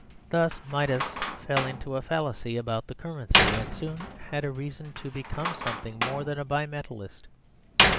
Thus Midas fell into a fallacy about the currency; and soon had reason to become something more than a Bimetallist.